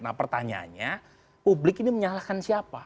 nah pertanyaannya publik ini menyalahkan siapa